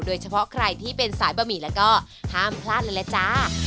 โดยเฉพาะใครที่เป็นสายบะหมี่แล้วก็ห้ามพลาดเลยล่ะจ้า